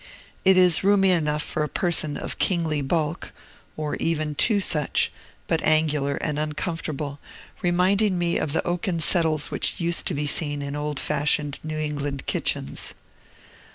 It is roomy enough for a person of kingly bulk, or even two such, but angular and uncomfortable, reminding me of the oaken settles which used to be seen in old fashioned New England kitchens.